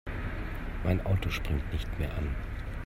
Mein Auto springt nicht mehr an.